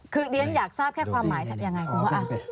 คือเดี๋ยวฉันอยากทราบแค่ความหมายอย่างไรก่อน